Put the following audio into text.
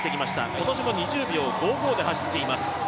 今年も２０秒５５で走っています。